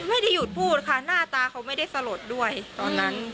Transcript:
ไม่ได้หยุดพูดค่ะหน้าตาเขาไม่ได้สลดด้วยตอนนั้น